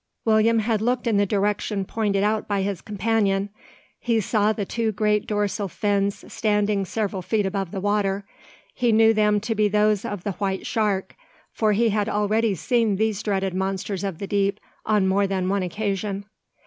William had looked in the direction pointed out by his companion. He saw the two great dorsal fins standing several feet above the water. He knew them to be those of the white shark: for he had already seen these dreaded monsters of the deep on more than one occasion.